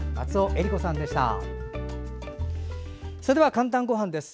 「かんたんごはん」です。